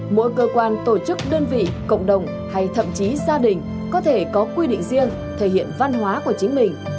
mỗi cơ quan tổ chức đơn vị cộng đồng hay thậm chí gia đình có thể có quy định riêng thể hiện văn hóa của chính mình